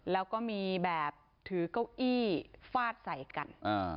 แล้วก็มีแบบถือเก้าอี้ฟาดใส่กัน